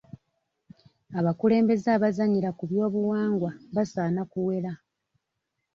Abakulembeze abazannyira ku by'obuwangwa basaana kuwera.